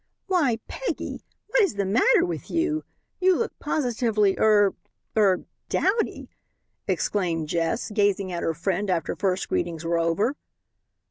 "Why, Peggy, what is the matter with you? You look positively er er dowdy!" exclaimed Jess, gazing at her friend after first greetings were over.